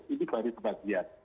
ini baru kebahagiaan